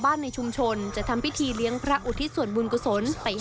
ได้นำเรื่องราวมาแชร์ในโลกโซเชียลจึงเกิดเป็นประเด็นอีกครั้ง